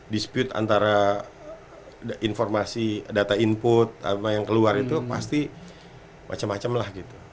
dispute antara informasi data input apa yang keluar itu pasti macam macam lah gitu